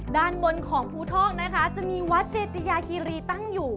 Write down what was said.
ด้านบนของภูทอกนะคะจะมีวัดเจติยาคีรีตั้งอยู่